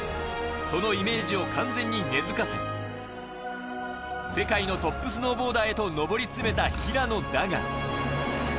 そのイメージを完全に根付かせ、世界のトップスノーボーダーへとのぼり詰めた平野だが。